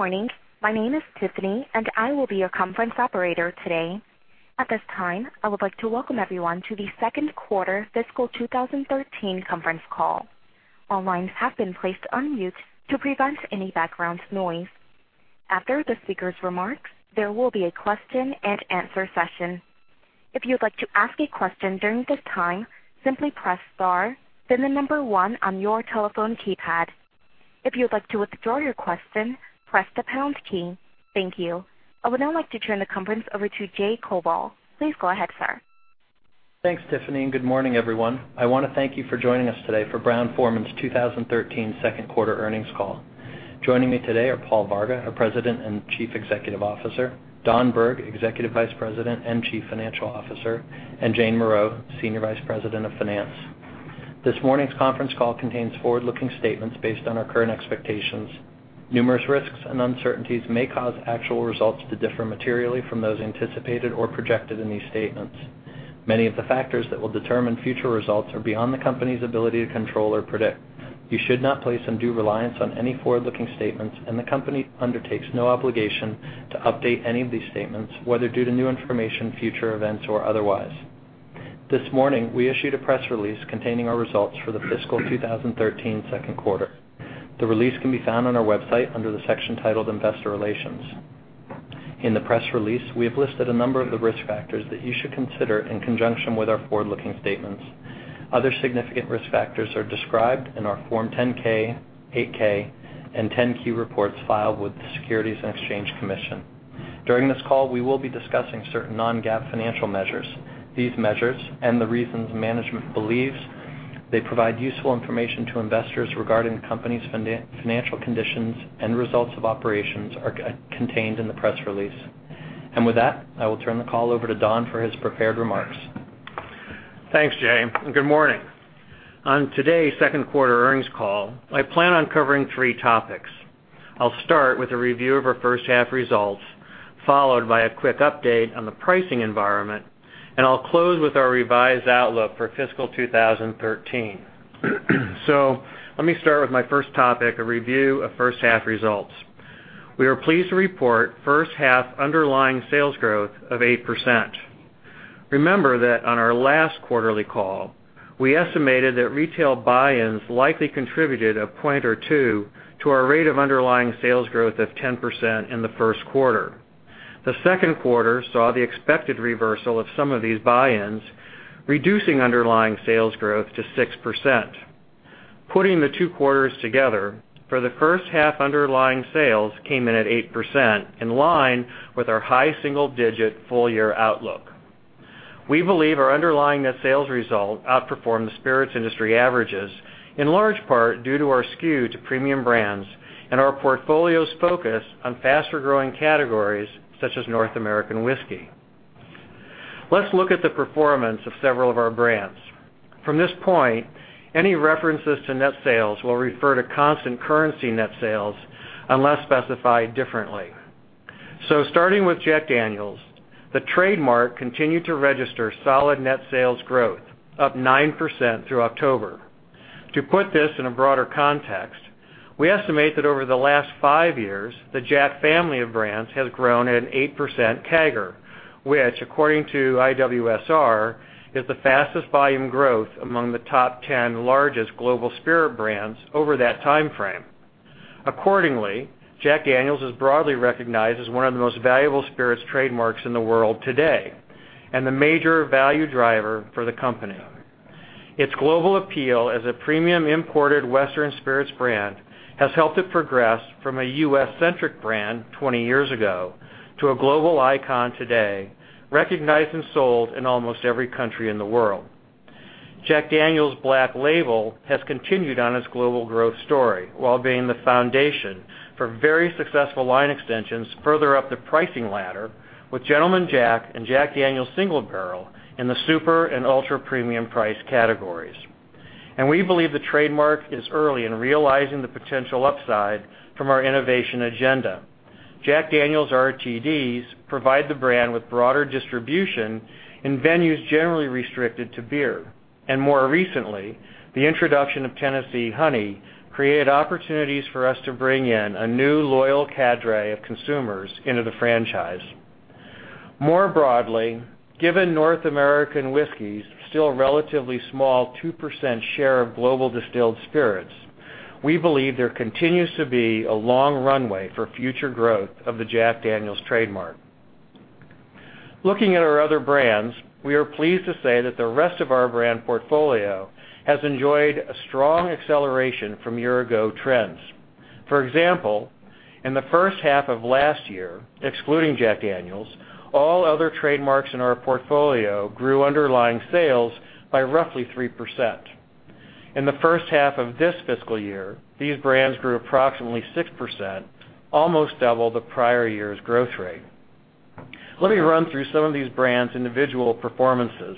Good morning. My name is Tiffany, and I will be your conference operator today. At this time, I would like to welcome everyone to the second quarter fiscal 2013 conference call. All lines have been placed on mute to prevent any background noise. After the speakers' remarks, there will be a question and answer session. If you'd like to ask a question during this time, simply press star, then the number one on your telephone keypad. If you'd like to withdraw your question, press the pound key. Thank you. I would now like to turn the conference over to Jay Koval. Please go ahead, sir. Thanks, Tiffany, and good morning, everyone. I want to thank you for joining us today for Brown-Forman's 2013 second quarter earnings call. Joining me today are Paul Varga, our President and Chief Executive Officer, Don Berg, Executive Vice President and Chief Financial Officer, and Jane Morreau, Senior Vice President of Finance. This morning's conference call contains forward-looking statements based on our current expectations. Numerous risks and uncertainties may cause actual results to differ materially from those anticipated or projected in these statements. Many of the factors that will determine future results are beyond the company's ability to control or predict. You should not place undue reliance on any forward-looking statements, and the company undertakes no obligation to update any of these statements, whether due to new information, future events, or otherwise. This morning, we issued a press release containing our results for the fiscal 2013 second quarter. The release can be found on our website under the section titled Investor Relations. In the press release, we have listed a number of the risk factors that you should consider in conjunction with our forward-looking statements. Other significant risk factors are described in our Form 10-K, 8-K, and 10-Q reports filed with the Securities and Exchange Commission. During this call, we will be discussing certain non-GAAP financial measures. These measures and the reasons management believes they provide useful information to investors regarding the company's financial conditions and results of operations are contained in the press release. With that, I will turn the call over to Don for his prepared remarks. Thanks, Jay, and good morning. On today's second quarter earnings call, I plan on covering three topics. I'll start with a review of our first-half results, followed by a quick update on the pricing environment, and I'll close with our revised outlook for fiscal 2013. Let me start with my first topic, a review of first-half results. We are pleased to report first-half underlying sales growth of 8%. Remember that on our last quarterly call, we estimated that retail buy-ins likely contributed a point or two to our rate of underlying sales growth of 10% in the first quarter. The second quarter saw the expected reversal of some of these buy-ins, reducing underlying sales growth to 6%. Putting the two quarters together, for the first half underlying sales came in at 8%, in line with our high single-digit full-year outlook. We believe our underlying net sales result outperformed the spirits industry averages, in large part due to our skew to premium brands and our portfolio's focus on faster-growing categories such as North American whiskey. Let's look at the performance of several of our brands. From this point, any references to net sales will refer to constant currency net sales unless specified differently. Starting with Jack Daniel's, the trademark continued to register solid net sales growth, up 9% through October. To put this in a broader context, we estimate that over the last five years, the Jack family of brands has grown at an 8% CAGR, which according to IWSR, is the fastest volume growth among the top 10 largest global spirit brands over that timeframe. Jack Daniel's is broadly recognized as one of the most valuable spirits trademarks in the world today and the major value driver for the company. Its global appeal as a premium imported Western spirits brand has helped it progress from a U.S.-centric brand 20 years ago to a global icon today, recognized and sold in almost every country in the world. Jack Daniel's Black Label has continued on its global growth story while being the foundation for very successful line extensions further up the pricing ladder with Gentleman Jack and Jack Daniel's Single Barrel in the super and ultra-premium price categories. We believe the trademark is early in realizing the potential upside from our innovation agenda. Jack Daniel's RTDs provide the brand with broader distribution in venues generally restricted to beer. More recently, the introduction of Tennessee Honey created opportunities for us to bring in a new loyal cadre of consumers into the franchise. More broadly, given North American whiskey's still relatively small 2% share of global distilled spirits, we believe there continues to be a long runway for future growth of the Jack Daniel's trademark. Looking at our other brands, we are pleased to say that the rest of our brand portfolio has enjoyed a strong acceleration from year-ago trends. For example, in the first half of last year, excluding Jack Daniel's, all other trademarks in our portfolio grew underlying sales by roughly 3%. In the first half of this fiscal year, these brands grew approximately 6%, almost double the prior year's growth rate. Let me run through some of these brands' individual performances.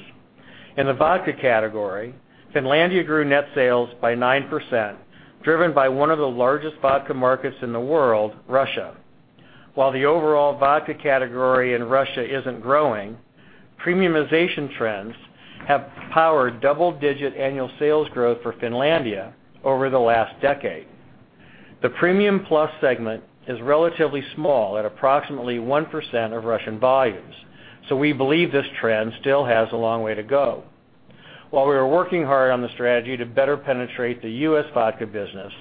In the vodka category, Finlandia grew net sales by 9%, driven by one of the largest vodka markets in the world, Russia. While the overall vodka category in Russia isn't growing, premiumization trends have powered double-digit annual sales growth for Finlandia over the last decade. The premium plus segment is relatively small, at approximately 1% of Russian volumes, so we believe this trend still has a long way to go. While we are working hard on the strategy to better penetrate the U.S. vodka business,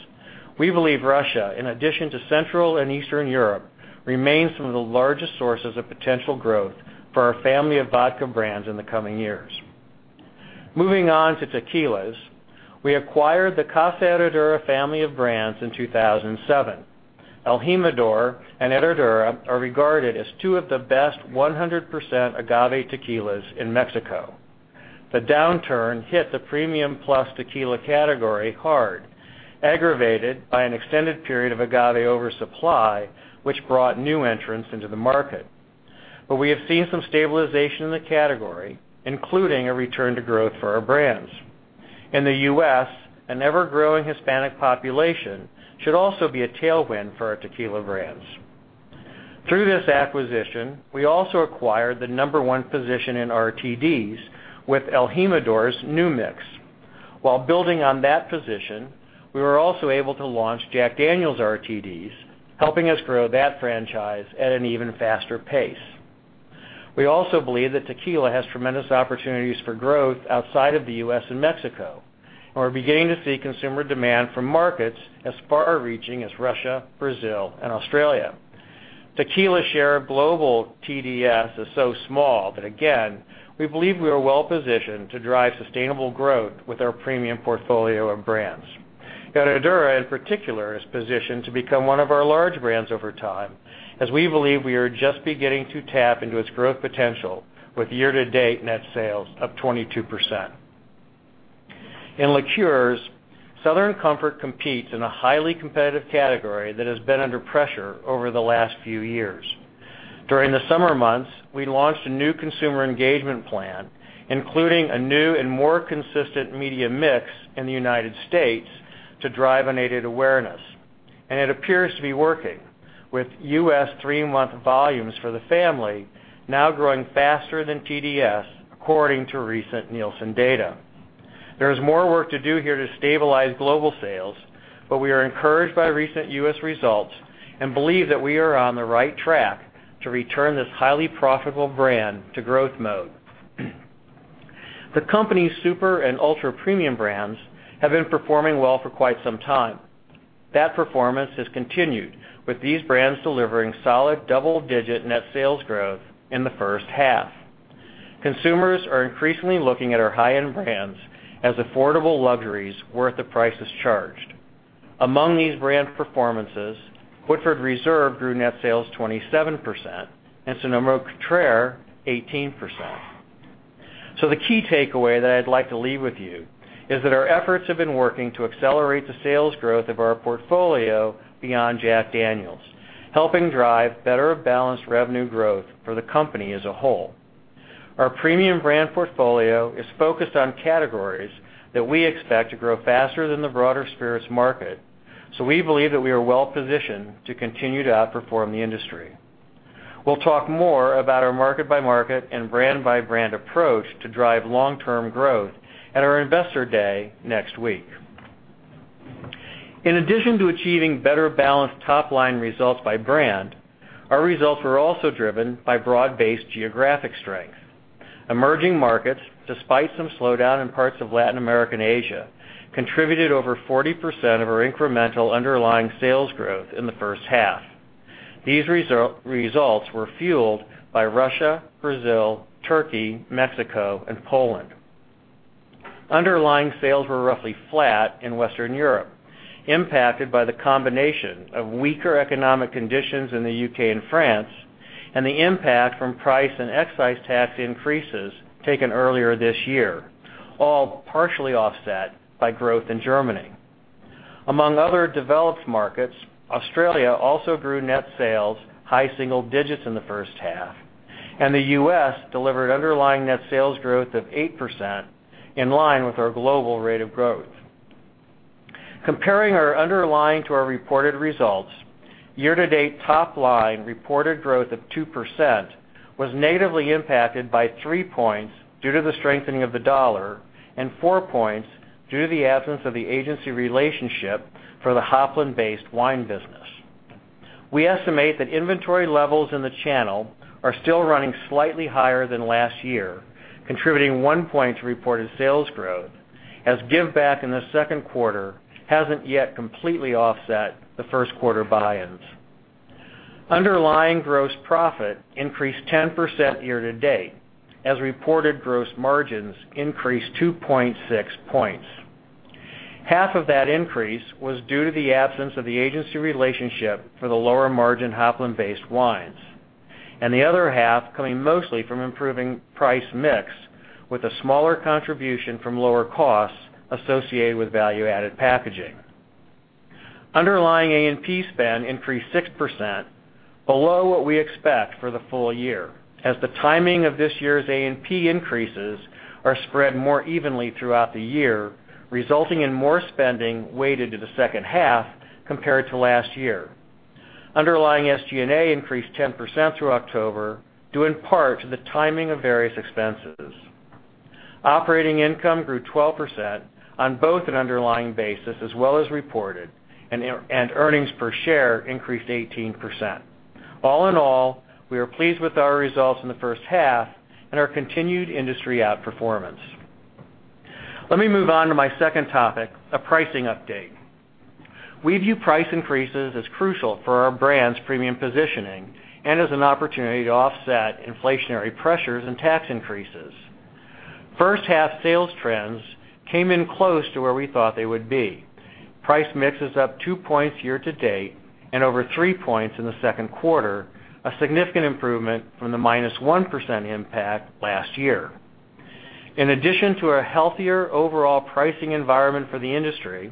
we believe Russia, in addition to Central and Eastern Europe, remains some of the largest sources of potential growth for our family of vodka brands in the coming years. Moving on to tequilas, we acquired the Casa Herradura family of brands in 2007. el Jimador and Herradura are regarded as two of the best 100% agave tequilas in Mexico. The downturn hit the premium plus tequila category hard, aggravated by an extended period of agave oversupply, which brought new entrants into the market. We have seen some stabilization in the category, including a return to growth for our brands. In the U.S., an ever-growing Hispanic population should also be a tailwind for our tequila brands. Through this acquisition, we also acquired the number one position in RTDs with el Jimador's New Mix. While building on that position, we were also able to launch Jack Daniel's RTDs, helping us grow that franchise at an even faster pace. We also believe that tequila has tremendous opportunities for growth outside of the U.S. and Mexico, and we're beginning to see consumer demand from markets as far-reaching as Russia, Brazil, and Australia. Tequila share of global TDS is so small that, again, we believe we are well-positioned to drive sustainable growth with our premium portfolio of brands. Herradura, in particular, is positioned to become one of our large brands over time, as we believe we are just beginning to tap into its growth potential with year-to-date net sales of 22%. In liqueurs, Southern Comfort competes in a highly competitive category that has been under pressure over the last few years. During the summer months, we launched a new consumer engagement plan, including a new and more consistent media mix in the United States to drive unaided awareness. It appears to be working, with U.S. three-month volumes for the family now growing faster than TDS, according to recent Nielsen data. There is more work to do here to stabilize global sales, but we are encouraged by recent U.S. results and believe that we are on the right track to return this highly profitable brand to growth mode. The company's super and ultra-premium brands have been performing well for quite some time. That performance has continued, with these brands delivering solid double-digit net sales growth in the first half. Consumers are increasingly looking at our high-end brands as affordable luxuries worth the prices charged. Among these brand performances, Woodford Reserve grew net sales 27%, and St-Germain, 18%. The key takeaway that I'd like to leave with you is that our efforts have been working to accelerate the sales growth of our portfolio beyond Jack Daniel's, helping drive better balanced revenue growth for the company as a whole. Our premium brand portfolio is focused on categories that we expect to grow faster than the broader spirits market, we believe that we are well-positioned to continue to outperform the industry. We'll talk more about our market-by-market and brand-by-brand approach to drive long-term growth at our Investor Day next week. In addition to achieving better balanced top-line results by brand, our results were also driven by broad-based geographic strength. Emerging markets, despite some slowdown in parts of Latin America and Asia, contributed over 40% of our incremental underlying sales growth in the first half. These results were fueled by Russia, Brazil, Turkey, Mexico, and Poland. Underlying sales were roughly flat in Western Europe, impacted by the combination of weaker economic conditions in the U.K. and France, and the impact from price and excise tax increases taken earlier this year, all partially offset by growth in Germany. Among other developed markets, Australia also grew net sales high single digits in the first half, and the U.S. delivered underlying net sales growth of 8%, in line with our global rate of growth. Comparing our underlying to our reported results, year-to-date top-line reported growth of 2% was negatively impacted by three points due to the strengthening of the dollar and four points due to the absence of the agency relationship for the Hopland-based wine business. We estimate that inventory levels in the channel are still running slightly higher than last year, contributing one point to reported sales growth, as giveback in the second quarter hasn't yet completely offset the first quarter buy-ins. Underlying gross profit increased 10% year to date, as reported gross margins increased 2.6 points. Half of that increase was due to the absence of the agency relationship for the lower-margin Hopland-based wines, and the other half coming mostly from improving price mix, with a smaller contribution from lower costs associated with value-added packaging. Underlying A&P spend increased 6%, below what we expect for the full year, as the timing of this year's A&P increases are spread more evenly throughout the year, resulting in more spending weighted to the second half compared to last year. Underlying SG&A increased 10% through October, due in part to the timing of various expenses. Operating income grew 12% on both an underlying basis as well as reported, and earnings per share increased 18%. All in all, we are pleased with our results in the first half and our continued industry outperformance. Let me move on to my second topic, a pricing update. We view price increases as crucial for our brand's premium positioning and as an opportunity to offset inflationary pressures and tax increases. First half sales trends came in close to where we thought they would be. Price mix is up two points year-to-date and over three points in the second quarter, a significant improvement from the -1% impact last year. In addition to a healthier overall pricing environment for the industry,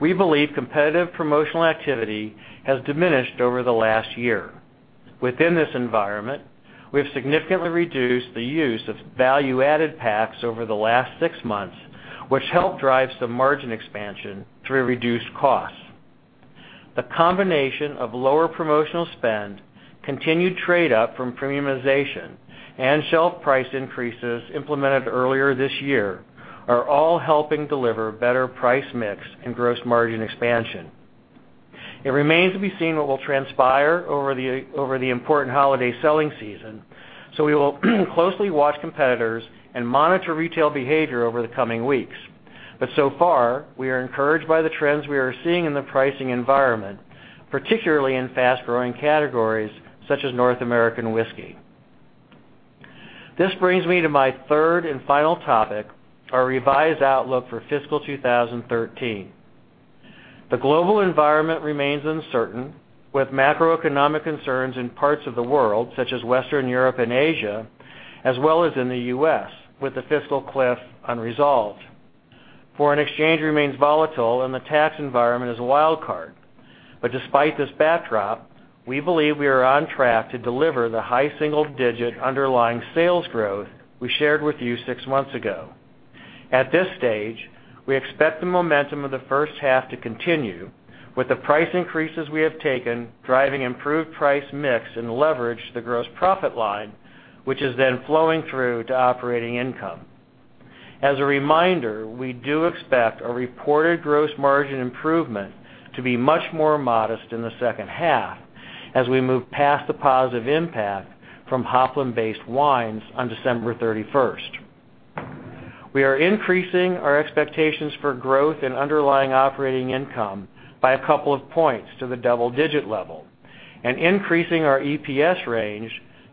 we believe competitive promotional activity has diminished over the last year. Within this environment, we have significantly reduced the use of value-added packs over the last six months, which helped drive some margin expansion through reduced costs. The combination of lower promotional spend, continued trade up from premiumization, and shelf price increases implemented earlier this year are all helping deliver better price mix and gross margin expansion. So far, we are encouraged by the trends we are seeing in the pricing environment, particularly in fast-growing categories such as North American whiskey. This brings me to my third and final topic, our revised outlook for fiscal 2013. The global environment remains uncertain, with macroeconomic concerns in parts of the world, such as Western Europe and Asia, as well as in the U.S., with the fiscal cliff unresolved. Foreign exchange remains volatile, and the tax environment is a wild card. Despite this backdrop, we believe we are on track to deliver the high single-digit underlying sales growth we shared with you six months ago. At this stage, we expect the momentum of the first half to continue, with the price increases we have taken driving improved price mix and leverage to the gross profit line, which is then flowing through to operating income. As a reminder, we do expect a reported gross margin improvement to be much more modest in the second half as we move past the positive impact from Hopland-based wines on December 31st. We are increasing our expectations for growth in underlying operating income by a couple of points to the double-digit level and increasing our EPS range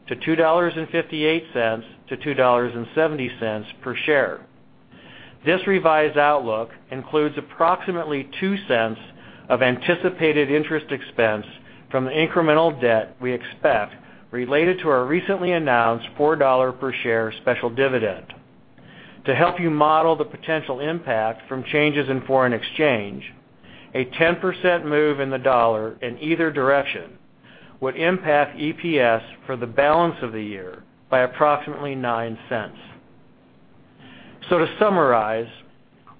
to $2.58-$2.70 per share. This revised outlook includes approximately $0.02 of anticipated interest expense from the incremental debt we expect related to our recently announced $4 per share special dividend. To help you model the potential impact from changes in foreign exchange, a 10% move in the dollar in either direction would impact EPS for the balance of the year by approximately $0.09. To summarize,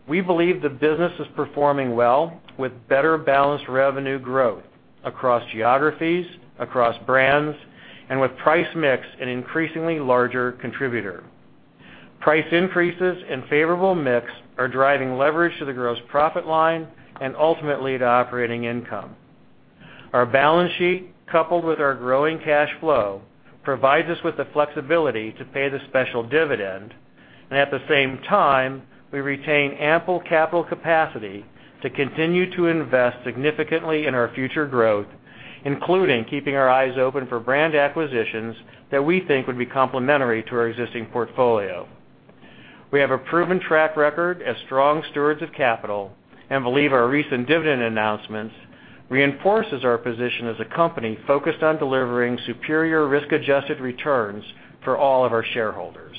we believe the business is performing well with better balanced revenue growth across geographies, across brands, and with price mix an increasingly larger contributor. Price increases and favorable mix are driving leverage to the gross profit line and ultimately to operating income. Our balance sheet, coupled with our growing cash flow, provides us with the flexibility to pay the special dividend. At the same time, we retain ample capital capacity to continue to invest significantly in our future growth, including keeping our eyes open for brand acquisitions that we think would be complementary to our existing portfolio. We have a proven track record as strong stewards of capital and believe our recent dividend announcements reinforces our position as a company focused on delivering superior risk-adjusted returns for all of our shareholders.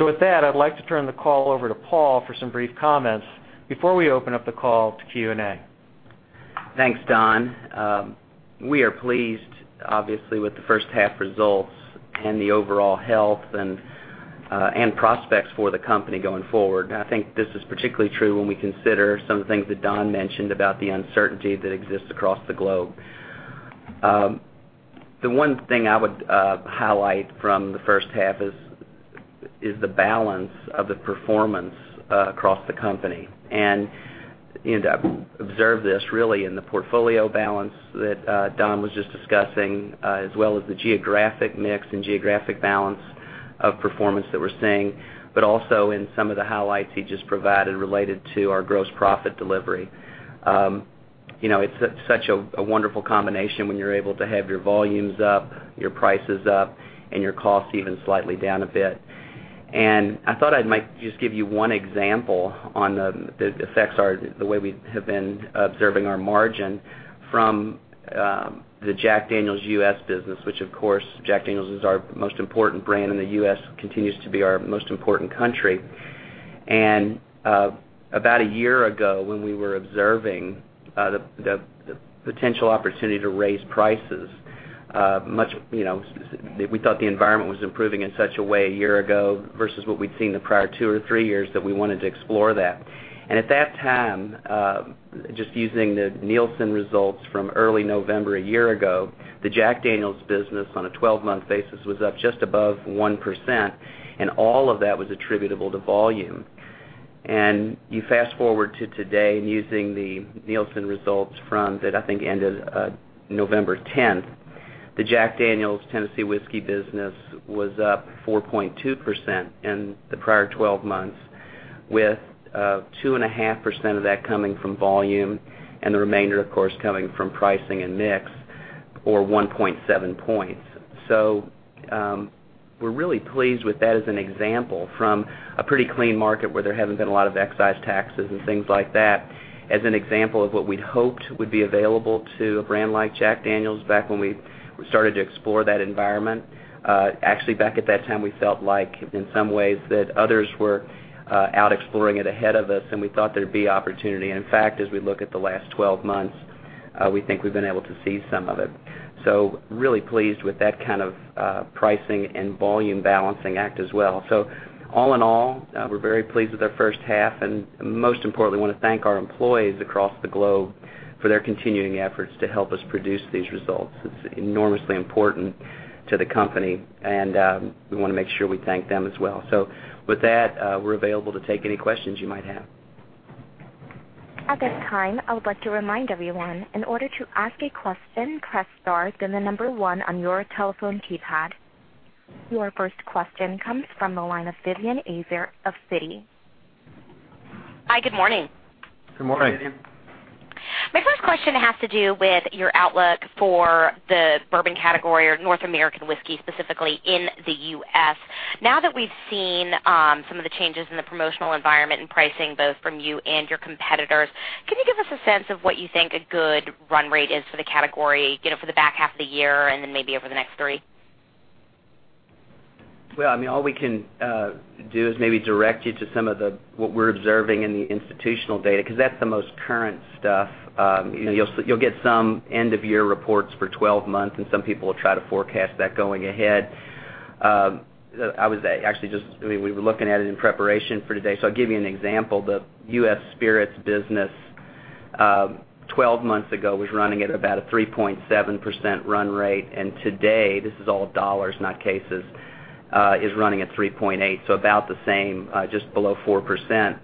With that, I'd like to turn the call over to Paul for some brief comments before we open up the call to Q&A. Thanks, Don. We are pleased, obviously, with the first half results and the overall health and prospects for the company going forward. I think this is particularly true when we consider some of the things that Don mentioned about the uncertainty that exists across the globe. The one thing I would highlight from the first half is the balance of the performance across the company. I observe this really in the portfolio balance that Don was just discussing, as well as the geographic mix and geographic balance of performance that we're seeing. Also in some of the highlights he just provided related to our gross profit delivery. It's such a wonderful combination when you're able to have your volumes up, your prices up, and your costs even slightly down a bit. I thought I might just give you one example on the effects, the way we have been observing our margin from the Jack Daniel's U.S. business, which of course, Jack Daniel's is our most important brand, and the U.S. continues to be our most important country. About a year ago, when we were observing the potential opportunity to raise prices we thought the environment was improving in such a way a year ago versus what we'd seen the prior two or three years that we wanted to explore that. At that time, just using the Nielsen results from early November a year ago, the Jack Daniel's business on a 12-month basis was up just above 1%, and all of that was attributable to volume. You fast-forward to today, and using the Nielsen results from, that I think ended November 10th, the Jack Daniel's Tennessee Whiskey business was up 4.2% in the prior 12 months, with 2.5% of that coming from volume and the remainder, of course, coming from pricing and mix, or 1.7 points. We're really pleased with that as an example from a pretty clean market where there haven't been a lot of excise taxes and things like that, as an example of what we'd hoped would be available to a brand like Jack Daniel's back when we started to explore that environment. Actually, back at that time, we felt like, in some ways, that others were out exploring it ahead of us, and we thought there'd be opportunity. In fact, as we look at the last 12 months, we think we've been able to see some of it. Really pleased with that kind of pricing and volume balancing act as well. All in all, we're very pleased with our first half, and most importantly, want to thank our employees across the globe for their continuing efforts to help us produce these results. It's enormously important to the company, and we want to make sure we thank them as well. With that, we're available to take any questions you might have. At this time, I would like to remind everyone, in order to ask a question, press star, then the number 1 on your telephone keypad. Your first question comes from the line of Vivien Azer of Citigroup. Hi, good morning. Good morning. Good morning. My first question has to do with your outlook for the bourbon category or North American whiskey, specifically in the U.S. Now that we've seen some of the changes in the promotional environment and pricing, both from you and your competitors, can you give us a sense of what you think a good run rate is for the category, for the back half of the year and then maybe over the next three? Well, all we can do is maybe direct you to some of what we're observing in the institutional data, because that's the most current stuff. You'll get some end-of-year reports for 12 months, and some people will try to forecast that going ahead. We were looking at it in preparation for today. I'll give you an example. The U.S. Spirits business, 12 months ago, was running at about a 3.7% run rate, and today, this is all dollars, not cases, is running at 3.8%, about the same, just below 4%.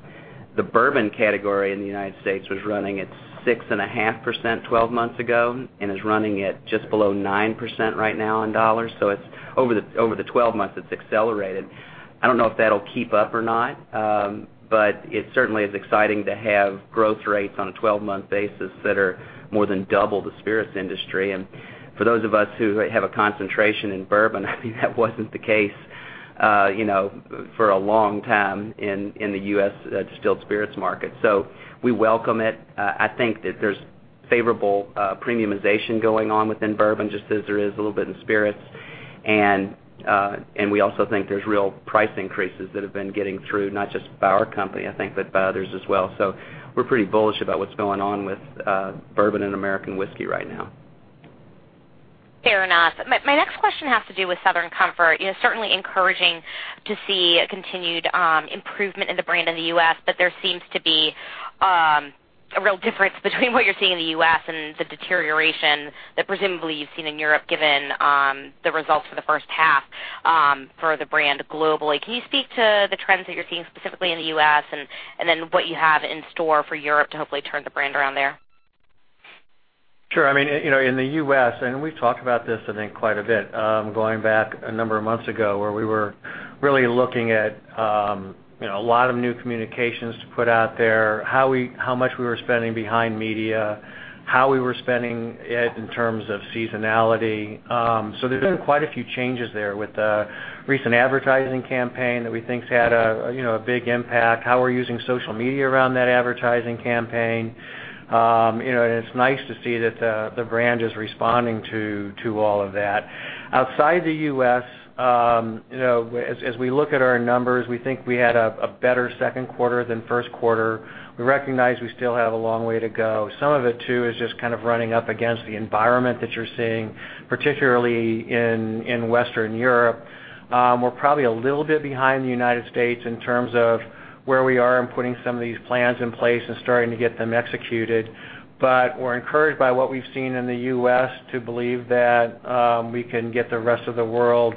The bourbon category in the United States was running at 6.5% 12 months ago and is running at just below 9% right now in dollars. Over the 12 months, it's accelerated. I don't know if that'll keep up or not. It certainly is exciting to have growth rates on a 12-month basis that are more than double the spirits industry. For those of us who have a concentration in bourbon that wasn't the case for a long time in the U.S. distilled spirits market. We welcome it. I think that there's favorable premiumization going on within bourbon, just as there is a little bit in spirits. We also think there's real price increases that have been getting through, not just by our company, I think, but by others as well. We're pretty bullish about what's going on with bourbon and American whiskey right now. Fair enough. My next question has to do with Southern Comfort. Certainly encouraging to see a continued improvement in the brand in the U.S., but there seems to be a real difference between what you're seeing in the U.S. and the deterioration that presumably you've seen in Europe, given the results for the first half for the brand globally. Can you speak to the trends that you're seeing specifically in the U.S. and then what you have in store for Europe to hopefully turn the brand around there? Sure. In the U.S., we've talked about this, I think, quite a bit, going back a number of months ago, where we were really looking at a lot of new communications to put out there, how much we were spending behind media, how we were spending it in terms of seasonality. There's been quite a few changes there with the recent advertising campaign that we think has had a big impact, how we're using social media around that advertising campaign. It's nice to see that the brand is responding to all of that. Outside the U.S., as we look at our numbers, we think we had a better second quarter than first quarter. We recognize we still have a long way to go. Some of it, too, is just kind of running up against the environment that you're seeing, particularly in Western Europe. We're probably a little bit behind the United States in terms of where we are in putting some of these plans in place and starting to get them executed. We're encouraged by what we've seen in the U.S. to believe that we can get the rest of the world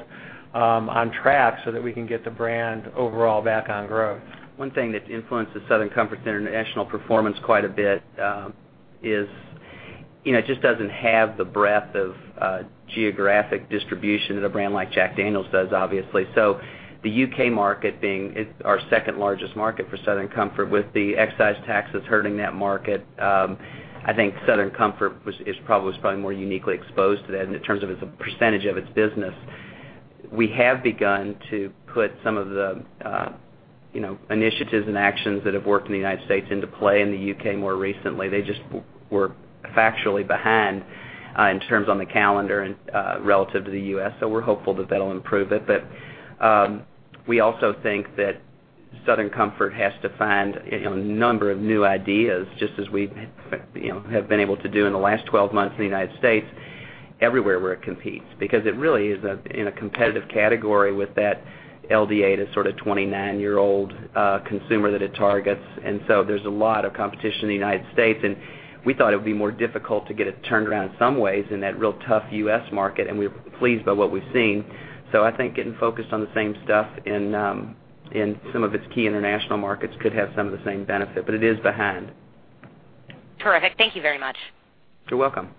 on track so that we can get the brand overall back on growth. One thing that's influenced the Southern Comfort's international performance quite a bit is it just doesn't have the breadth of geographic distribution that a brand like Jack Daniel's does, obviously. The U.K. market, being our second-largest market for Southern Comfort, with the excise taxes hurting that market, I think Southern Comfort was probably more uniquely exposed to that in terms of its percentage of its business. We have begun to put some of the initiatives and actions that have worked in the United States into play in the U.K. more recently. They just were factually behind in terms on the calendar and relative to the U.S. We're hopeful that that'll improve it. We also think that Southern Comfort has to find a number of new ideas, just as we have been able to do in the last 12 months in the United States, everywhere where it competes, because it really is in a competitive category with that LDA, that 29-year-old consumer that it targets. There's a lot of competition in the United States, we thought it would be more difficult to get a turnaround in some ways in that real tough U.S. market, we're pleased by what we've seen. I think getting focused on the same stuff in some of its key international markets could have some of the same benefit, but it is behind. Terrific. Thank you very much. You're welcome.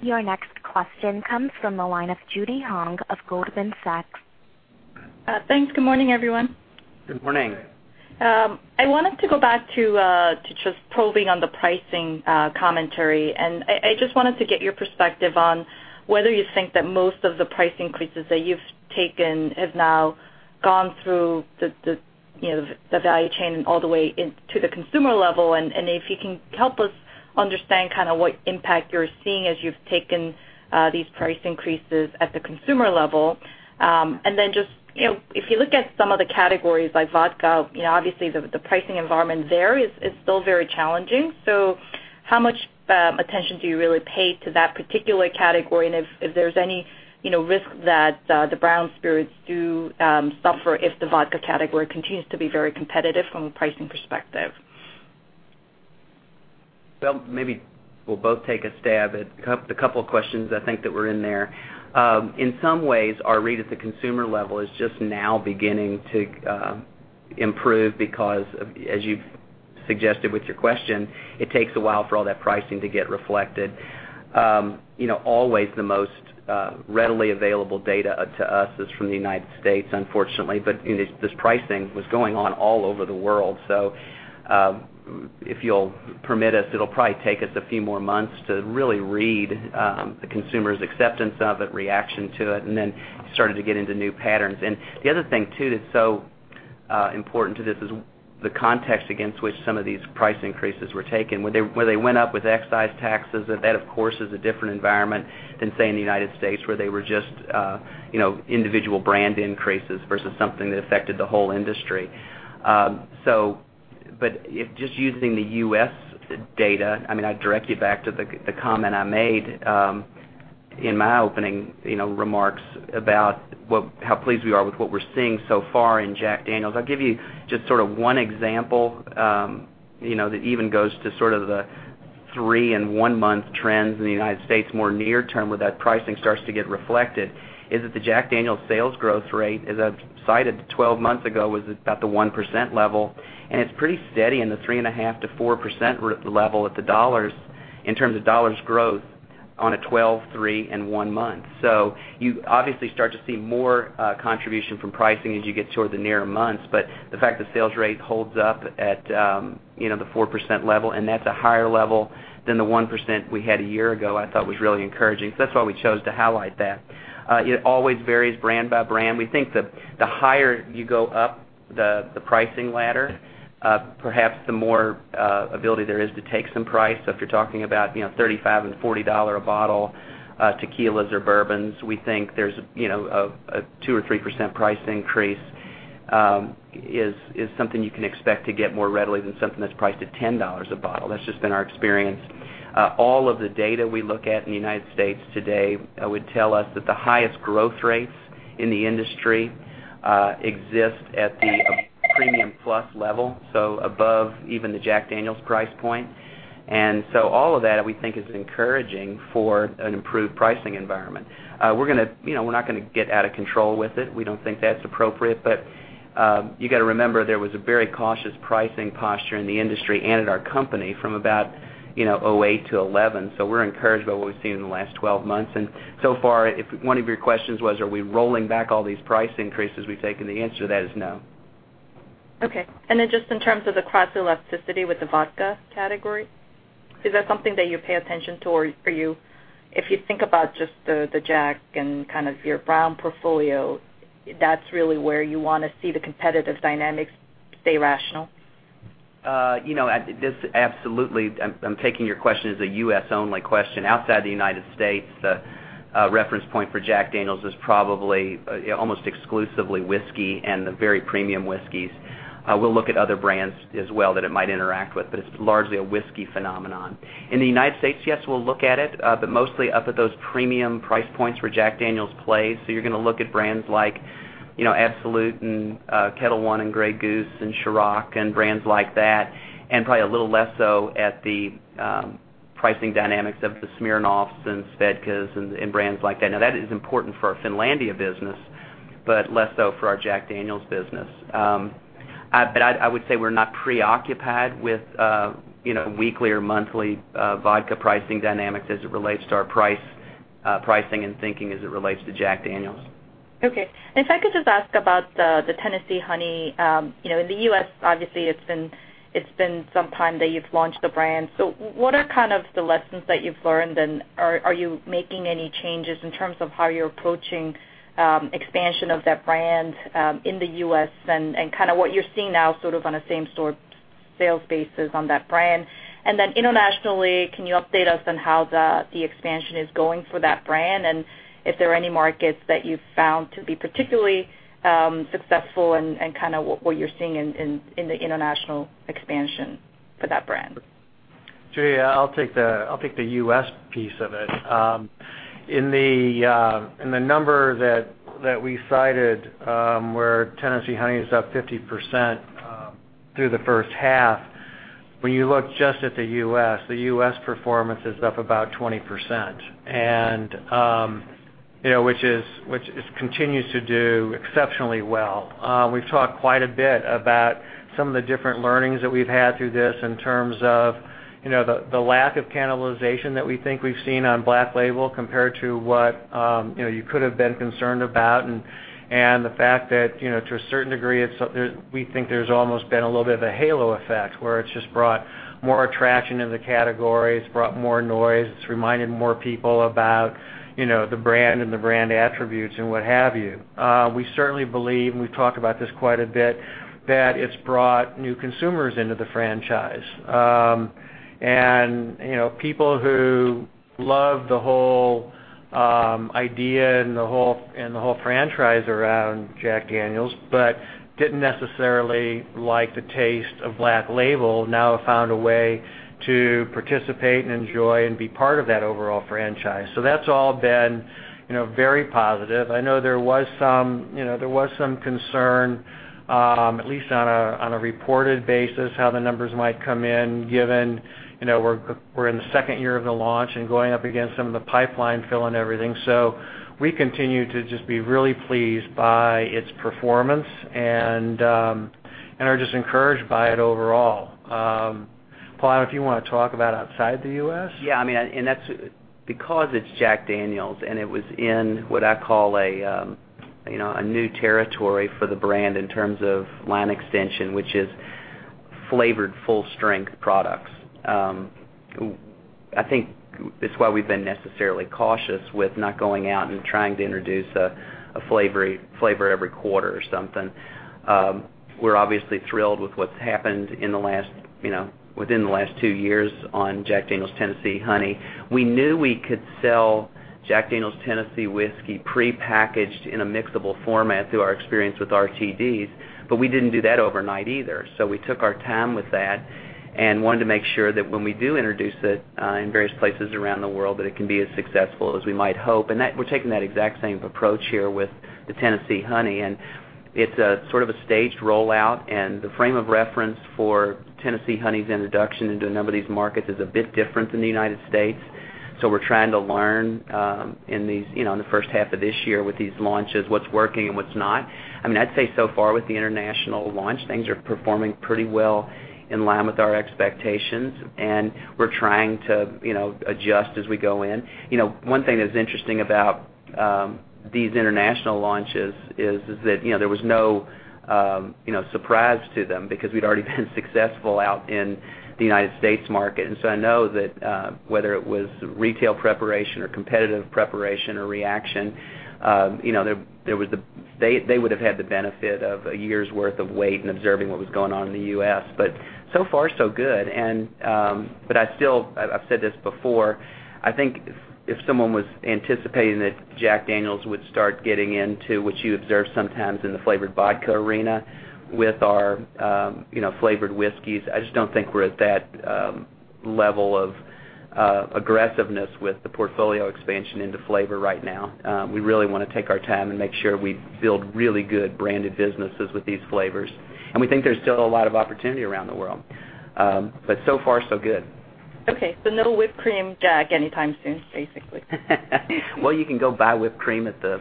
Your next question comes from the line of Judy Hong of Goldman Sachs. Thanks. Good morning, everyone. Good morning. I wanted to go back to just probing on the pricing commentary. I just wanted to get your perspective on whether you think that most of the price increases that you've taken have now gone through the value chain and all the way into the consumer level, if you can help us understand what impact you're seeing as you've taken these price increases at the consumer level. Just, if you look at some of the categories like vodka, obviously, the pricing environment there is still very challenging. How much attention do you really pay to that particular category, if there's any risk that the brown spirits do suffer if the vodka category continues to be very competitive from a pricing perspective? Well, maybe we'll both take a stab at the couple of questions I think that were in there. In some ways, our read at the consumer level is just now beginning to improve because, as you've suggested with your question, it takes a while for all that pricing to get reflected. Always the most readily available data to us is from the United States, unfortunately. This pricing was going on all over the world. If you'll permit us, it'll probably take us a few more months to really read the consumer's acceptance of it, reaction to it, and then starting to get into new patterns. The other thing, too, that's so important to this is the context against which some of these price increases were taken. Where they went up with excise taxes, that of course, is a different environment than, say, in the U.S., where they were just individual brand increases versus something that affected the whole industry. Just using the U.S. data, I'd direct you back to the comment I made in my opening remarks about how pleased we are with what we're seeing so far in Jack Daniel's. I'll give you just one example, that even goes to the three- and one-month trends in the U.S., more near term, where that pricing starts to get reflected, is that the Jack Daniel's sales growth rate, as I've cited, 12 months ago, was about the 1% level, and it's pretty steady in the 3.5%-4% level in terms of dollars growth on a 12, three, and one month. You obviously start to see more contribution from pricing as you get toward the nearer months. The fact the sales rate holds up at the 4% level, and that's a higher level than the 1% we had a year ago, I thought was really encouraging. That's why we chose to highlight that. It always varies brand by brand. We think that the higher you go up the pricing ladder, perhaps the more ability there is to take some price. If you're talking about $35 and $40 a bottle tequilas or bourbons, we think a 2% or 3% price increase is something you can expect to get more readily than something that's priced at $10 a bottle. That's just been our experience. All of the data we look at in the U.S. today would tell us that the highest growth rates in the industry exist at the premium plus level, so above even the Jack Daniel's price point. All of that, we think, is encouraging for an improved pricing environment. We're not going to get out of control with it. We don't think that's appropriate. You got to remember, there was a very cautious pricing posture in the industry and at our company from about 2008 to 2011. We're encouraged by what we've seen in the last 12 months. One of your questions was, are we rolling back all these price increases we've taken? The answer to that is no. Okay. Just in terms of the cross-elasticity with the vodka category, is that something that you pay attention to? For you, if you think about just the Jack and kind of your brown portfolio, that's really where you want to see the competitive dynamics stay rational? Absolutely. I'm taking your question as a U.S.-only question. Outside the United States, a reference point for Jack Daniel's is probably almost exclusively whiskey and the very premium whiskeys. We'll look at other brands as well that it might interact with, but it's largely a whiskey phenomenon. In the United States, yes, we'll look at it, but mostly up at those premium price points where Jack Daniel's plays. You're going to look at brands like Absolut and Ketel One and Grey Goose and Cîroc and brands like that, and probably a little less so at the pricing dynamics of the Smirnoff and Svedka and brands like that. That is important for our Finlandia business, but less so for our Jack Daniel's business. I would say we're not preoccupied with weekly or monthly vodka pricing dynamics as it relates to our pricing and thinking as it relates to Jack Daniel's. Okay. If I could just ask about the Tennessee Honey. In the U.S., obviously, it's been some time that you've launched the brand. What are the lessons that you've learned, and are you making any changes in terms of how you're approaching expansion of that brand in the U.S. and what you're seeing now on a same-store sales bases on that brand. Then internationally, can you update us on how the expansion is going for that brand? If there are any markets that you've found to be particularly successful and what you're seeing in the international expansion for that brand? Judy, I'll take the U.S. piece of it. In the number that we cited, where Tennessee Honey is up 50% through the first half, when you look just at the U.S., the U.S. performance is up about 20%, and which it continues to do exceptionally well. We've talked quite a bit about some of the different learnings that we've had through this in terms of the lack of cannibalization that we think we've seen on Black Label compared to what you could've been concerned about, and the fact that, to a certain degree, we think there's almost been a little bit of a halo effect, where it's just brought more attraction to the category. It's brought more noise. It's reminded more people about the brand and the brand attributes, and what have you. We certainly believe, and we've talked about this quite a bit, that it's brought new consumers into the franchise. People who love the whole idea and the whole franchise around Jack Daniel's, but didn't necessarily like the taste of Black Label, now have found a way to participate and enjoy and be part of that overall franchise. That's all been very positive. I know there was some concern, at least on a reported basis, how the numbers might come in, given we're in the second year of the launch and going up against some of the pipeline fill and everything. We continue to just be really pleased by its performance and are just encouraged by it overall. Paul, I don't know if you want to talk about outside the U.S.? Yeah. Because it's Jack Daniel's, and it was in what I call a new territory for the brand in terms of line extension, which is flavored full-strength products. I think it's why we've been necessarily cautious with not going out and trying to introduce a flavor every quarter or something. We're obviously thrilled with what's happened within the last two years on Jack Daniel's Tennessee Honey. We knew we could sell Jack Daniel's Tennessee Whiskey prepackaged in a mixable format through our experience with RTDs, but we didn't do that overnight either. We took our time with that and wanted to make sure that when we do introduce it in various places around the world, that it can be as successful as we might hope. We're taking that exact same approach here with the Tennessee Honey, and it's a sort of a staged rollout. The frame of reference for Tennessee Honey's introduction into a number of these markets is a bit different than the United States. We're trying to learn in the first half of this year with these launches, what's working and what's not. I'd say so far with the international launch, things are performing pretty well in line with our expectations, and we're trying to adjust as we go in. One thing that's interesting about these international launches is that there was no surprise to them because we'd already been successful out in the United States market. I know that whether it was retail preparation or competitive preparation or reaction, they would've had the benefit of a year's worth of wait and observing what was going on in the U.S., but so far so good. I still, I've said this before, I think if someone was anticipating that Jack Daniel's would start getting into what you observe sometimes in the flavored vodka arena with our flavored whiskeys, I just don't think we're at that level of aggressiveness with the portfolio expansion into flavor right now. We really want to take our time and make sure we build really good branded businesses with these flavors. We think there's still a lot of opportunity around the world. So far so good. Okay. No whipped cream Jack anytime soon, basically. Well, you can go buy whipped cream at the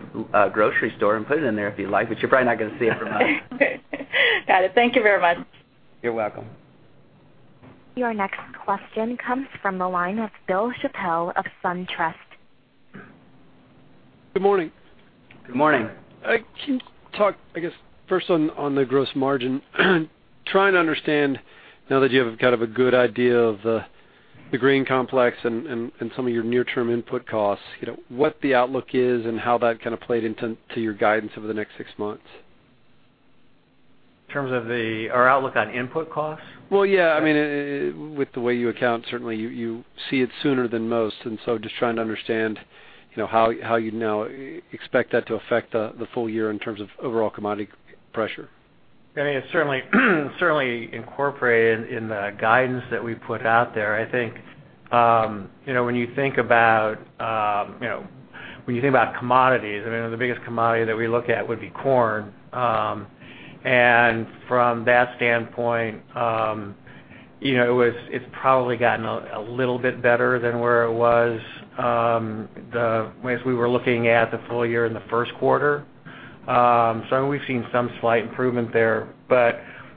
grocery store and put it in there if you like, you're probably not going to see it from us. Got it. Thank you very much. You're welcome. Your next question comes from the line of Bill Chappell of SunTrust. Good morning. Good morning. Can you talk, I guess, first on the gross margin. Trying to understand now that you have kind of a good idea of the grain complex and some of your near-term input costs, what the outlook is and how that kind of played into your guidance over the next six months? In terms of our outlook on input costs? Well, yeah. With the way you account, certainly, you see it sooner than most, just trying to understand how you now expect that to affect the full year in terms of overall commodity pressure. It's certainly incorporated in the guidance that we put out there. I think when you think about commodities, the biggest commodity that we look at would be corn. From that standpoint, it's probably gotten a little bit better than where it was as we were looking at the full year in the first quarter. We've seen some slight improvement there.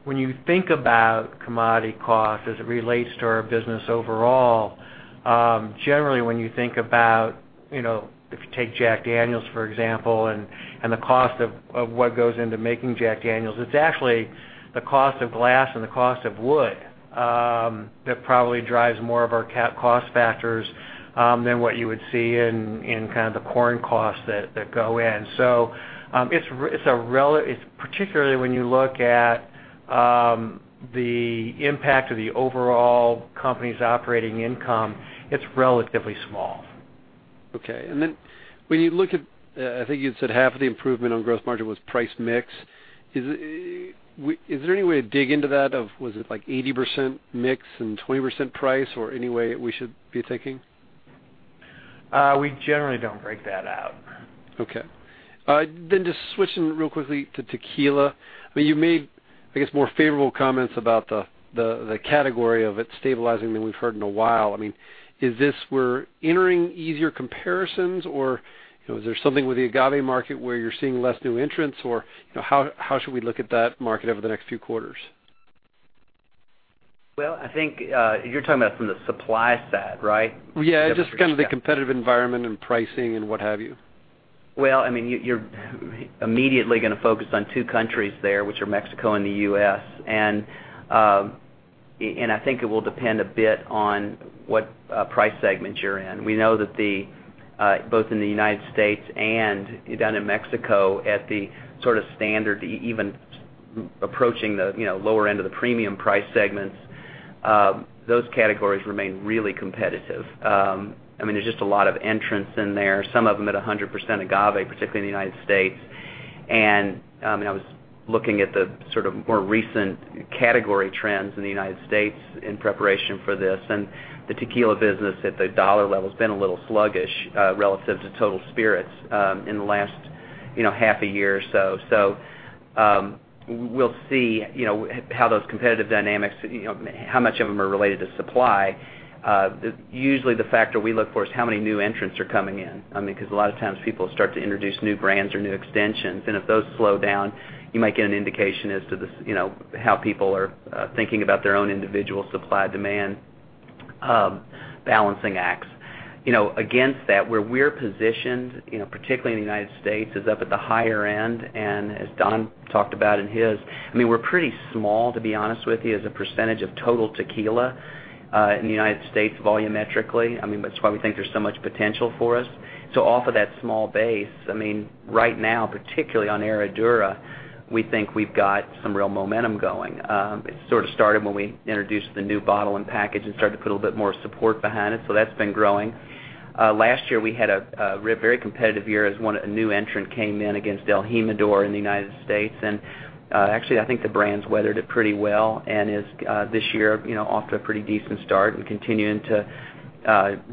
When you think about commodity costs as it relates to our business overall, generally, when you think about, if you take Jack Daniel's, for example, and the cost of what goes into making Jack Daniel's, it's actually the cost of glass and the cost of wood that probably drives more of our cost factors than what you would see in kind of the corn costs that go in. Particularly when you look at the impact of the overall company's operating income, it's relatively small. Okay. When you look at, I think you'd said half of the improvement on gross margin was price mix. Is there any way to dig into that? Was it like 80% mix and 20% price, or any way we should be thinking? We generally don't break that out. Okay. Just switching real quickly to tequila. You made, I guess, more favorable comments about the category of it stabilizing than we've heard in a while. Is this we're entering easier comparisons, or is there something with the agave market where you're seeing less new entrants? Or how should we look at that market over the next few quarters? Well, I think, you're talking about from the supply side, right? Yeah, just kind of the competitive environment and pricing and what have you. Well, you're immediately going to focus on two countries there, which are Mexico and the U.S. I think it will depend a bit on what price segment you're in. We know that both in the United States and down in Mexico, at the standard, even approaching the lower end of the premium price segments, those categories remain really competitive. There's just a lot of entrants in there, some of them at 100% agave, particularly in the United States. I was looking at the more recent category trends in the United States in preparation for this, and the tequila business at the dollar level's been a little sluggish, relative to total spirits, in the last half a year or so. We'll see how those competitive dynamics, how much of them are related to supply. Usually, the factor we look for is how many new entrants are coming in, because a lot of times people start to introduce new brands or new extensions, and if those slow down, you might get an indication as to how people are thinking about their own individual supply-demand balancing acts. Against that, where we're positioned, particularly in the United States, is up at the higher end, and as Don talked about in his, we're pretty small, to be honest with you, as a percentage of total tequila, in the United States, volumetrically. That's why we think there's so much potential for us. Off of that small base, right now, particularly on Herradura, we think we've got some real momentum going. It sort of started when we introduced the new bottle and package and started to put a little bit more support behind it. That's been growing. Last year, we had a very competitive year as a new entrant came in against el Jimador in the United States, and actually, I think the brand's weathered it pretty well and is, this year, off to a pretty decent start and continuing to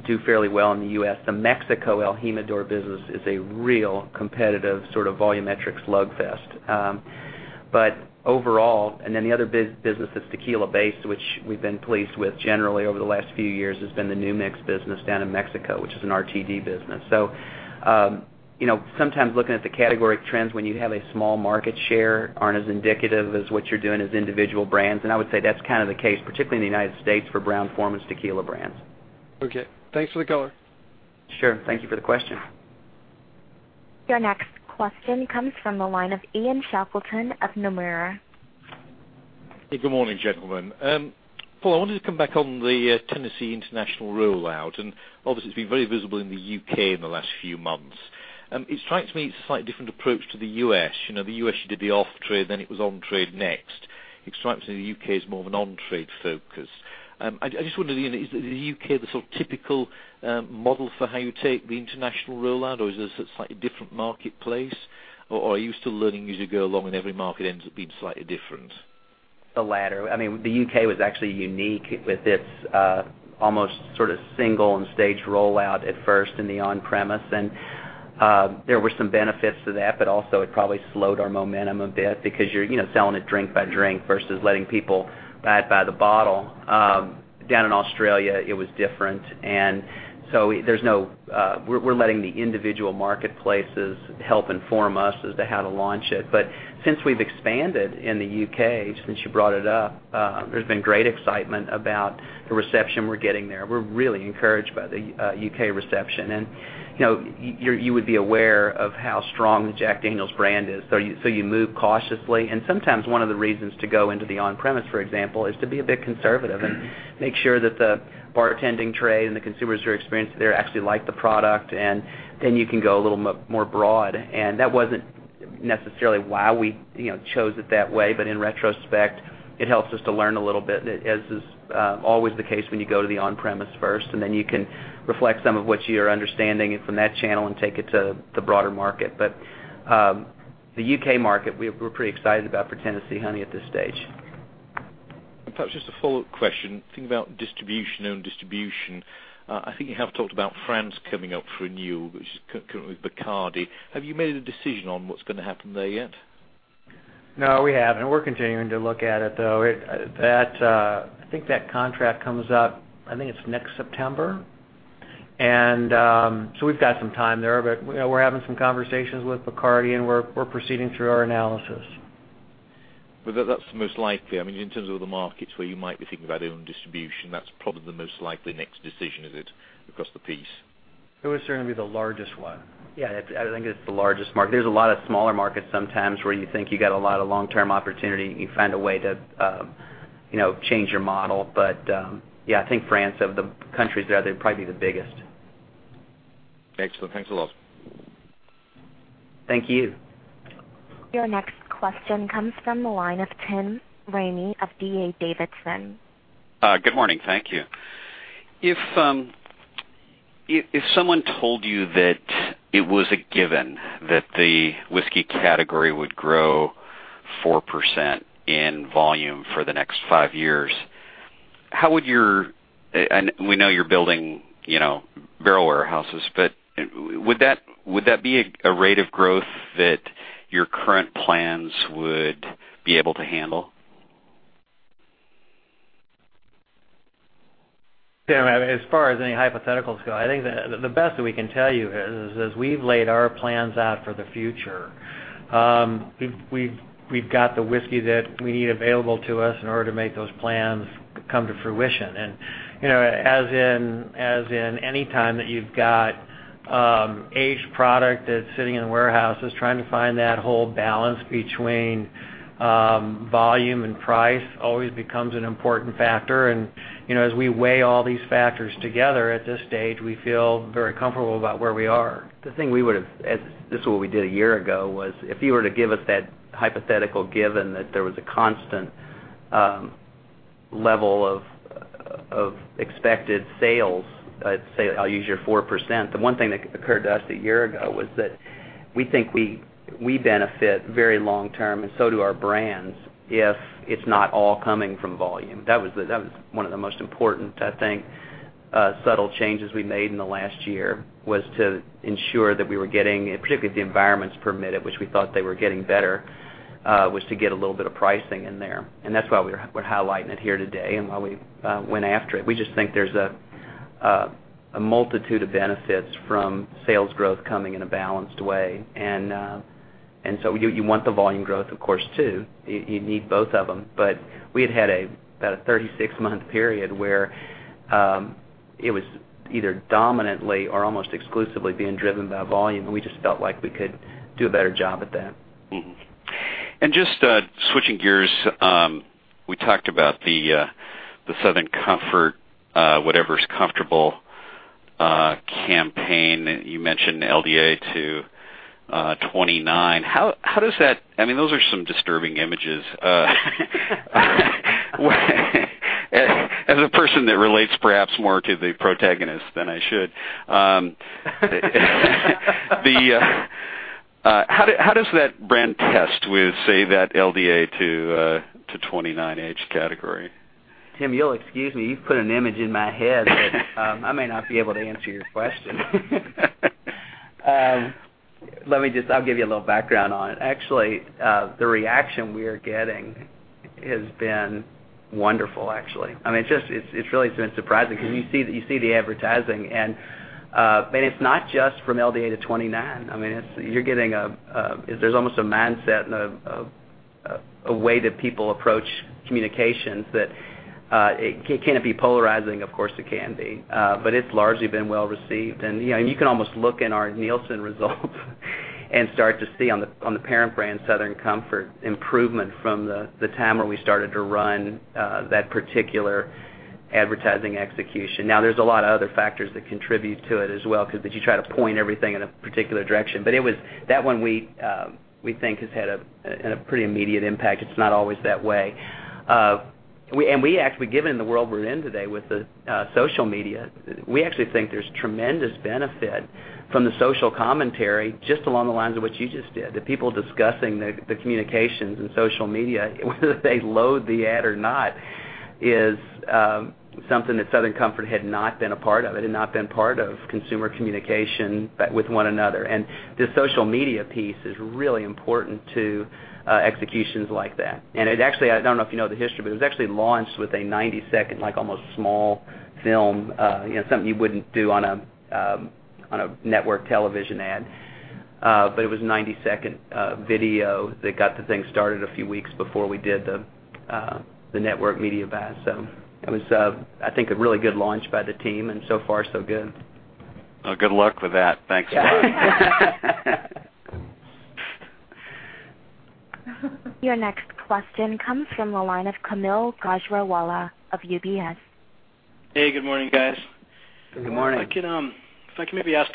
do fairly well in the U.S. The Mexico el Jimador business is a real competitive sort of volumetric slugfest. Overall, and then the other business that's tequila-based, which we've been pleased with generally over the last few years, has been the New Mix business down in Mexico, which is an RTD business. Sometimes looking at the category trends when you have a small market share aren't as indicative as what you're doing as individual brands, and I would say that's kind of the case, particularly in the United States, for Brown-Forman's tequila brands. Okay. Thanks for the color. Sure. Thank you for the question. Your next question comes from the line of Ian Shackleton of Nomura. Good morning, gentlemen. Paul, I wanted to come back on the Tennessee international rollout, and obviously it's been very visible in the U.K. in the last few months. It strikes me it's a slightly different approach to the U.S. The U.S., you did the off-trade, then it was on-trade next. It strikes me the U.K. is more of an on-trade focus. I just wonder, is the U.K. the sort of typical model for how you take the international rollout, or is this a slightly different marketplace, or are you still learning as you go along and every market ends up being slightly different? The latter. The U.K. was actually unique with its almost sort of single and staged rollout at first in the on-premise. There were some benefits to that, but also it probably slowed our momentum a bit because you're selling it drink by drink versus letting people buy it by the bottle. Down in Australia, it was different. We're letting the individual marketplaces help inform us as to how to launch it. Since we've expanded in the U.K., since you brought it up, there's been great excitement about the reception we're getting there. We're really encouraged by the U.K. reception. You would be aware of how strong the Jack Daniel's brand is, so you move cautiously, and sometimes one of the reasons to go into the on-premise, for example, is to be a bit conservative and make sure that the bartending trade and the consumers who are experienced there actually like the product, and then you can go a little more broad. That wasn't necessarily why we chose it that way, but in retrospect, it helps us to learn a little bit, as is always the case when you go to the on-premise first, and then you can reflect some of what you're understanding from that channel and take it to the broader market. The U.K. market, we're pretty excited about for Tennessee Honey at this stage. Perhaps just a follow-up question. Thinking about distribution, own distribution. I think you have talked about France coming up for renewal, which is currently with Bacardi. Have you made a decision on what's going to happen there yet? No, we haven't. We're continuing to look at it, though. I think that contract comes up, I think it's next September. So we've got some time there, but we're having some conversations with Bacardi, and we're proceeding through our analysis. That's most likely, in terms of the markets where you might be thinking about own distribution, that's probably the most likely next decision, is it, across the piece? It would certainly be the largest one. Yeah, I think it's the largest market. There's a lot of smaller markets sometimes where you think you got a lot of long-term opportunity, and you find a way to change your model. Yeah, I think France, of the countries there, they'd probably be the biggest. Excellent. Thanks a lot. Thank you. Your next question comes from the line of Tim Ramey of D.A. Davidson. Good morning. Thank you. If someone told you that it was a given that the whiskey category would grow 4% in volume for the next five years, and we know you're building barrel warehouses, but would that be a rate of growth that your current plans would be able to handle? Tim, as far as any hypotheticals go, I think the best that we can tell you is, as we've laid our plans out for the future, we've got the whiskey that we need available to us in order to make those plans come to fruition. As in any time that you've got aged product that's sitting in warehouses, trying to find that whole balance between volume and price always becomes an important factor. As we weigh all these factors together at this stage, we feel very comfortable about where we are. The thing we did a year ago, was if you were to give us that hypothetical, given that there was a constant level of expected sales at, say, I'll use your 4%, the one thing that occurred to us a year ago was that we think we benefit very long-term, and so do our brands, if it's not all coming from volume. That was one of the most important, I think, subtle changes we made in the last year, was to ensure that we were getting, particularly if the environments permitted, which we thought they were getting better, was to get a little bit of pricing in there. That's why we're highlighting it here today and why we went after it. We just think there's a multitude of benefits from sales growth coming in a balanced way. You want the volume growth, of course, too. You need both of them. We had about a 36-month period where it was either dominantly or almost exclusively being driven by volume, and we just felt like we could do a better job at that. Mm-hmm. Just switching gears, we talked about the Southern Comfort Whatever's Comfortable campaign. You mentioned LDA to 29. Those are some disturbing images. As a person that relates perhaps more to the protagonist than I should. How does that brand test with, say, that LDA to 29 age category? Tim, you'll excuse me. You've put an image in my head that I may not be able to answer your question. I'll give you a little background on it. Actually, the reaction we are getting has been wonderful, actually. It's really been surprising because you see the advertising, and it's not just from LDA to 29. There's almost a mindset and a way that people approach communications. That, can it be polarizing? Of course, it can be. It's largely been well received, and you can almost look in our Nielsen results and start to see on the parent brand, Southern Comfort, improvement from the time where we started to run that particular advertising execution. There's a lot of other factors that contribute to it as well, because as you try to point everything in a particular direction. That one, we think, has had a pretty immediate impact. It's not always that way. Given the world we're in today with the social media, we actually think there's tremendous benefit from the social commentary, just along the lines of what you just did. The people discussing the communications and social media, whether they loathe the ad or not, is something that Southern Comfort had not been a part of. It had not been part of consumer communication with one another. The social media piece is really important to executions like that. I don't know if you know the history, but it was actually launched with a 90-second, almost small film. Something you wouldn't do on a network television ad. It was a 90-second video that got the thing started a few weeks before we did the network media buy. It was, I think, a really good launch by the team, and so far, so good. Good luck with that. Thanks a lot. Your next question comes from the line of Kaumil Gajrawala of UBS. Hey, good morning, guys. Good morning. Good morning. If I can maybe ask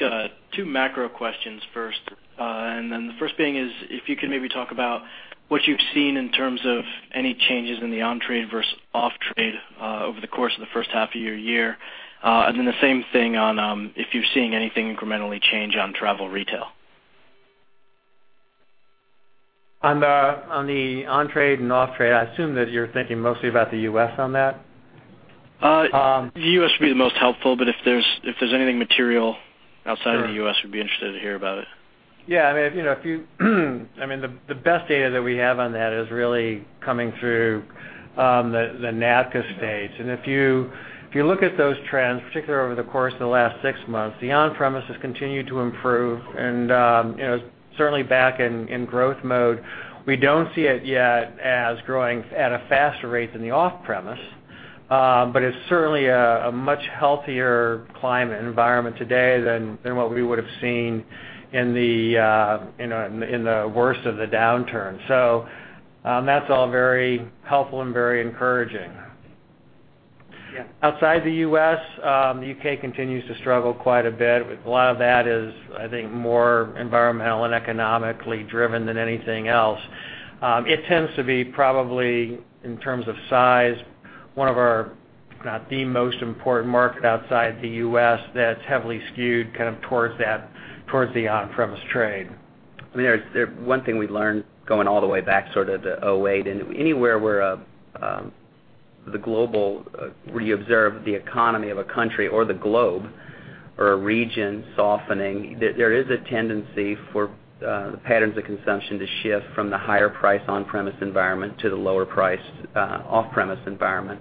two macro questions first. The first being is, if you could maybe talk about what you've seen in terms of any changes in the on-trade versus off-trade over the course of the first half of your year. The same thing on if you're seeing anything incrementally change on travel retail. On the on-trade and off-trade, I assume that you're thinking mostly about the U.S. on that? The U.S. would be the most helpful, but if there's anything material outside of the U.S. Sure We'd be interested to hear about it. Yeah. The best data that we have on that is really coming through the NABCA states. If you look at those trends, particularly over the course of the last six months, the on-premise has continued to improve and certainly back in growth mode. We don't see it yet as growing at a faster rate than the off-premise, but it's certainly a much healthier climate and environment today than what we would've seen in the worst of the downturn. That's all very helpful and very encouraging. Yes. Outside the U.S., the U.K. continues to struggle quite a bit. A lot of that is, I think, more environmental and economically driven than anything else. It tends to be probably, in terms of size, one of our, if not the most important market outside the U.S. that's heavily skewed towards the on-premise trade. One thing we learned going all the way back to 2008, anywhere where you observe the economy of a country or the globe or a region softening, there is a tendency for the patterns of consumption to shift from the higher price on-premise environment to the lower price off-premise environment.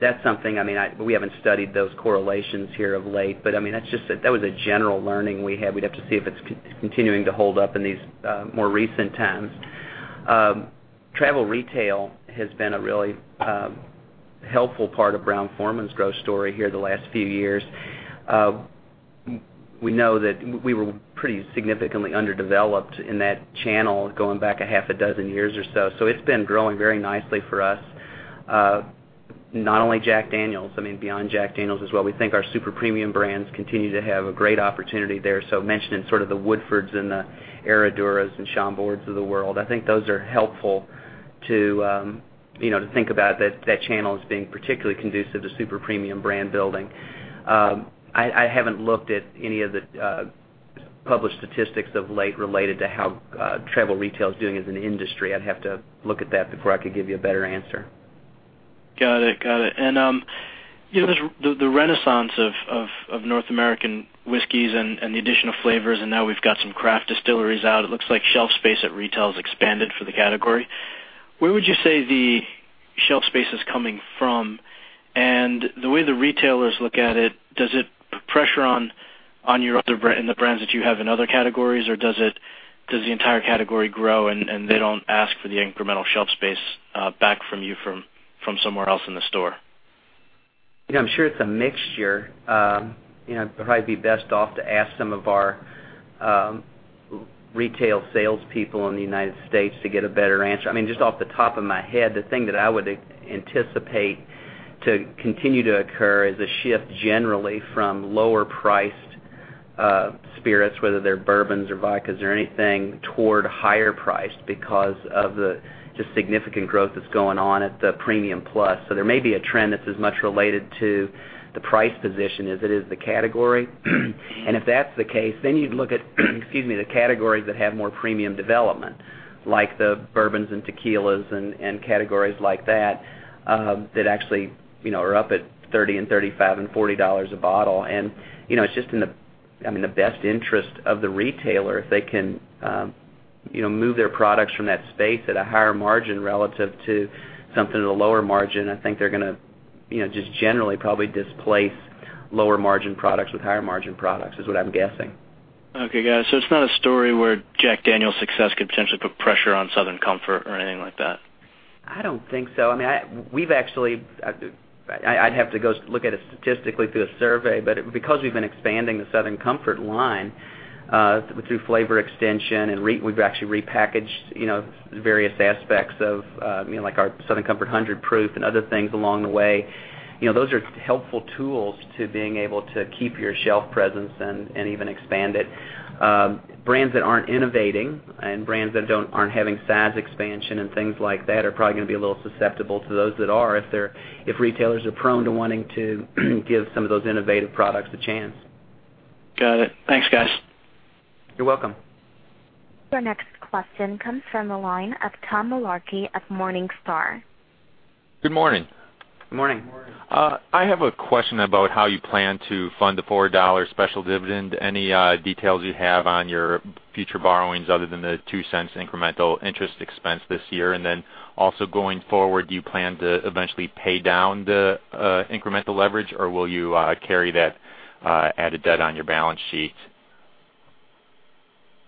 That's something, we haven't studied those correlations here of late, but that was a general learning we had. We'd have to see if it's continuing to hold up in these more recent times. Travel retail has been a really helpful part of Brown-Forman's growth story here the last few years. We know that we were pretty significantly underdeveloped in that channel going back a half a dozen years or so. It's been growing very nicely for us. Not only Jack Daniel's, beyond Jack Daniel's as well. We think our super premium brands continue to have a great opportunity there. Mentioning the Woodfords and the Herraduras and Chambords of the world, I think those are helpful to think about that channel is being particularly conducive to super premium brand building. I haven't looked at any of the published statistics of late related to how travel retail is doing as an industry. I'd have to look at that before I could give you a better answer. Got it. The renaissance of North American whiskeys and the additional flavors, and now we've got some craft distilleries out, it looks like shelf space at retail has expanded for the category. Where would you say the shelf space is coming from? The way the retailers look at it, does it put pressure on the brands that you have in other categories, or does the entire category grow, and they don't ask for the incremental shelf space back from you from somewhere else in the store? I'm sure it's a mixture. Probably be best off to ask some of our retail salespeople in the U.S. to get a better answer. Just off the top of my head, the thing that I would anticipate to continue to occur is a shift generally from lower priced spirits, whether they're bourbons or vodkas or anything, toward higher priced because of the significant growth that's going on at the premium plus. There may be a trend that's as much related to the price position as it is the category. If that's the case, then you'd look at, excuse me, the categories that have more premium development, like the bourbons and tequilas and categories like that actually are up at $30 and $35 and $40 a bottle. It's just in the best interest of the retailer, if they can move their products from that space at a higher margin relative to something at a lower margin, I think they're going to just generally probably displace lower margin products with higher margin products, is what I'm guessing. Okay, got it. It's not a story where Jack Daniel's success could potentially put pressure on Southern Comfort or anything like that? I don't think so. I'd have to go look at it statistically through a survey, because we've been expanding the Southern Comfort line through flavor extension, and we've actually repackaged various aspects of our Southern Comfort 100 Proof and other things along the way. Those are helpful tools to being able to keep your shelf presence and even expand it. Brands that aren't innovating and brands that aren't having size expansion and things like that are probably going to be a little susceptible to those that are, if retailers are prone to wanting to give some of those innovative products a chance. Got it. Thanks, guys. You're welcome. Your next question comes from the line of Tom Mullarkey of Morningstar. Good morning. Good morning. I have a question about how you plan to fund the $4 special dividend. Any details you have on your future borrowings other than the $0.02 incremental interest expense this year, and then also going forward, do you plan to eventually pay down the incremental leverage, or will you carry that added debt on your balance sheet?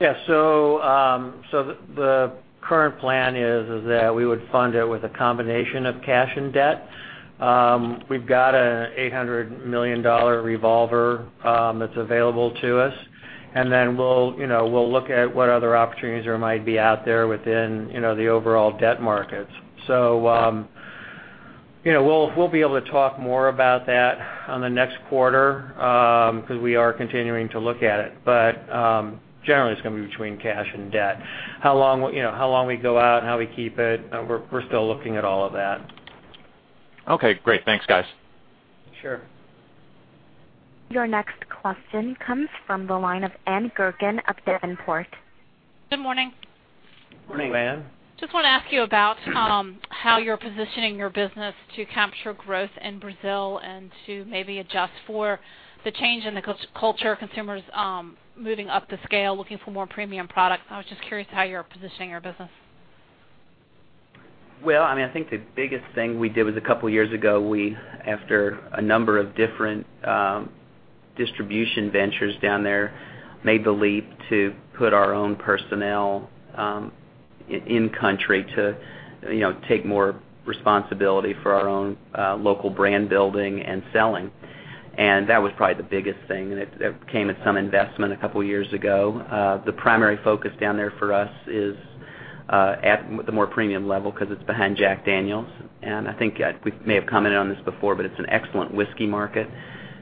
Yes. The current plan is that we would fund it with a combination of cash and debt. We've got an $800 million revolver that's available to us, and then we'll look at what other opportunities there might be out there within the overall debt markets. We'll be able to talk more about that on the next quarter, because we are continuing to look at it. Generally, it's going to be between cash and debt. How long we go out and how we keep it, we're still looking at all of that. Okay, great. Thanks, guys. Sure. Your next question comes from the line of Ann Gurkin of Davenport. Good morning. Morning, Ann. Just want to ask you about how you're positioning your business to capture growth in Brazil and to maybe adjust for the change in the culture, consumers moving up the scale, looking for more premium products. I was just curious how you're positioning your business. Well, I think the biggest thing we did was a couple of years ago, after a number of different distribution ventures down there, made the leap to put our own personnel in country to take more responsibility for our own local brand building and selling. That was probably the biggest thing, and it came at some investment a couple of years ago. The primary focus down there for us is at the more premium level, because it's behind Jack Daniel's, and I think we may have commented on this before, but it's an excellent whiskey market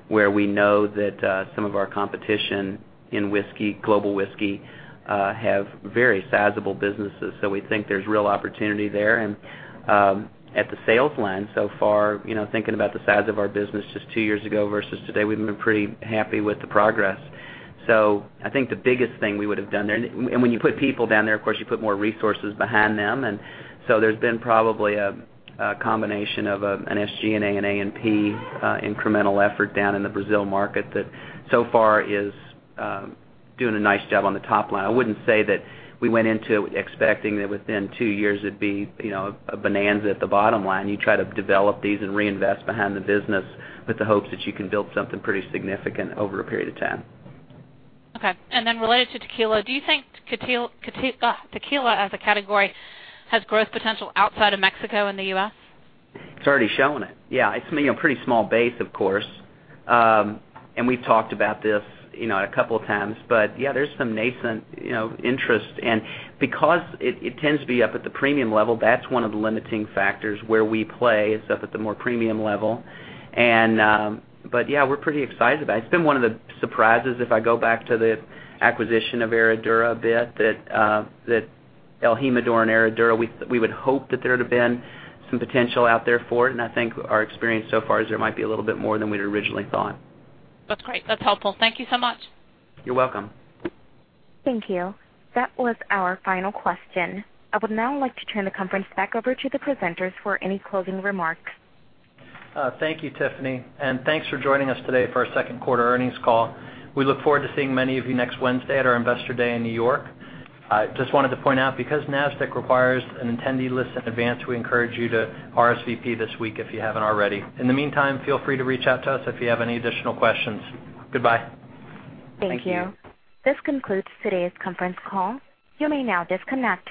where we know that some of our competition in whiskey, global whiskey, have very sizable businesses. We think there's real opportunity there. At the sales line, so far, thinking about the size of our business just two years ago versus today, we've been pretty happy with the progress. I think the biggest thing we would have done there, when you put people down there, of course, you put more resources behind them, so there's been probably a combination of an SG&A, an A&P incremental effort down in the Brazil market that so far is doing a nice job on the top line. I wouldn't say that we went into it expecting that within two years it'd be a bonanza at the bottom line. You try to develop these and reinvest behind the business with the hopes that you can build something pretty significant over a period of time. Okay, then related to tequila, do you think tequila as a category has growth potential outside of Mexico in the U.S.? It's already showing it. Yeah. It's a pretty small base, of course. We've talked about this a couple of times, but yeah, there's some nascent interest. Because it tends to be up at the premium level, that's one of the limiting factors where we play. It's up at the more premium level. Yeah, we're pretty excited about it. It's been one of the surprises, if I go back to the acquisition of Herradura a bit, that el Jimador and Herradura, we would hope that there had been some potential out there for it, and I think our experience so far is there might be a little bit more than we'd originally thought. That's great. That's helpful. Thank you so much. You're welcome. Thank you. That was our final question. I would now like to turn the conference back over to the presenters for any closing remarks. Thank you, Tiffany, and thanks for joining us today for our second quarter earnings call. We look forward to seeing many of you next Wednesday at our Investor Day in New York. Just wanted to point out, because Nasdaq requires an attendee list in advance, we encourage you to RSVP this week if you haven't already. In the meantime, feel free to reach out to us if you have any additional questions. Goodbye. Thank you. Thank you. This concludes today's conference call. You may now disconnect.